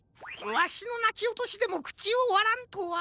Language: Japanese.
わしのなきおとしでもくちをわらんとは。